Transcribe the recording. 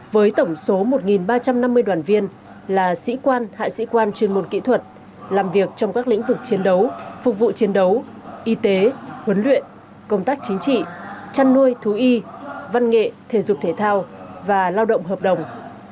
với tổng số một ba trăm năm mươi đoàn viên là sĩ quan hạ sĩ quan chuyên môn kỹ thuật làm việc trong các lĩnh vực chiến đấu phục vụ chiến đấu y tế huấn luyện công tác chính trị chăn nuôi thú y văn nghệ thể dục thể thao và lao động hợp đồng